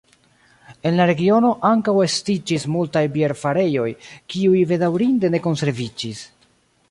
En la regiono ankaŭ estiĝis multaj bierfarejoj, kiuj bedaŭrinde ne konserviĝis.